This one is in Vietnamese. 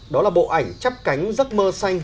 đó là bộ ảnh chắp cánh giấc mơ xanh